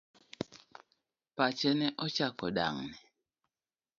Pache ne ochako dang'ni.